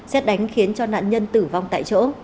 xét đánh khiến cho nạn nhân tử vong tại chỗ